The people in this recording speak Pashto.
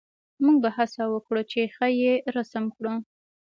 موږ به هڅه وکړو چې ښه یې رسم کړو